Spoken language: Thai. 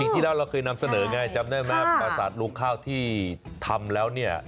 ที่แล้วเราเคยนำเสนอไงจำได้ไหมประสาทลูกข้าวที่ทำแล้วเนี่ย